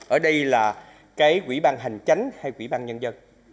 ở đây là cái quỹ ban hành chánh hay quỹ ban nhân dân